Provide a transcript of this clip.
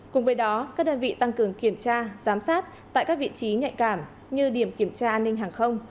cùng với đó các đơn vị tăng cường kiểm tra giám sát tại các vị trí nhạy cảm như điểm kiểm tra an ninh hàng không